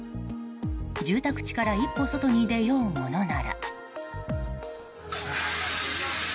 住宅地から一歩外に出ようものなら。